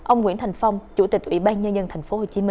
ông nguyễn thành phong chủ tịch ủy ban nhân dân tp hcm